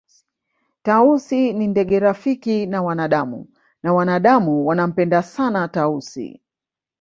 Tausi ni ndege rafiki na wanadamu na wanadamu wanampenda sana Tausi